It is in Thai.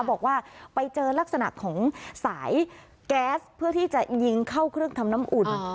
บอกว่าไปเจอลักษณะของสายแก๊สเพื่อที่จะยิงเข้าเครื่องทำน้ำอุ่น